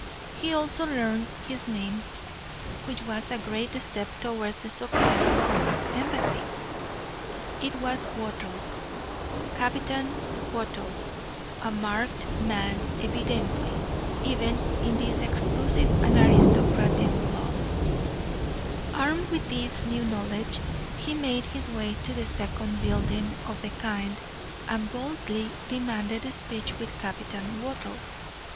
He also learned his name, which was a great step towards the success of his embassy. It was Wattles, Captain Wattles, a marked man evidently, even in this exclusive and aristocratic club. Armed with this new knowledge, he made his way to the second building of the kind and boldly demanded speech with Captain Wattles.